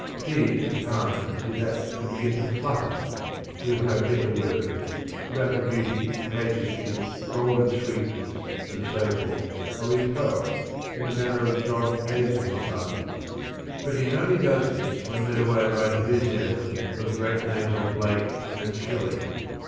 He at times is apt to begin to flutter (there is no better word) about the beauty, majesty, golden sweetness, and so forth, of his poets, in the manner of John Ad dington Symons: but he only does this when led away by enthusiasm for the great names of Blake and Shelley.